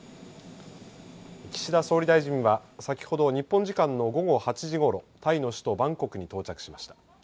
岸田総理大臣は先ほど日本時間の午後８時ごろタイの首都バンコクに到着しました。